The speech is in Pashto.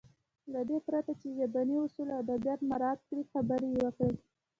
له دې پرته چې ژبني اصول او ادبيات مراعت کړي خبرې يې وکړې.